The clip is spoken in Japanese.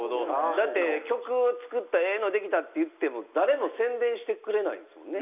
だって曲を作ったええのできたっていっても誰も宣伝してくれないんですもんね？